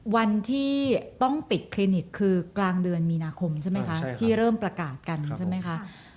วันที่ต้องปิดคลินิกคือกลางเดือนมีนาคมใช่ไหมคะที่เริ่มประกาศกันใช่ไหมคะ